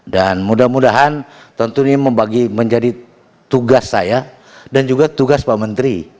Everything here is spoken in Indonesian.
dan mudah mudahan tentunya membagi menjadi tugas saya dan juga tugas pak menteri